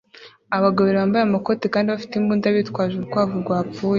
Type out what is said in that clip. Abagabo babiri bambaye amakoti kandi bafite imbunda bitwaje urukwavu rwapfuye